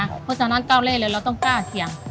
เพราะฉะนั้นเก้าเล่เลยเราต้องกล้าเสี่ยง